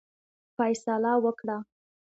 فیصله وکړه.